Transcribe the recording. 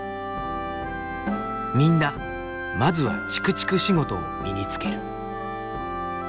みんなまずはちくちく仕事を身につける。